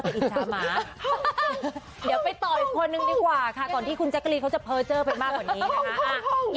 เดี๋ยวไปต่ออีกคนนึงดีกว่าค่ะตอนที่คุณแจ๊กกะลีนเขาจะเผลอเจอไปมากกว่านี้นะคะ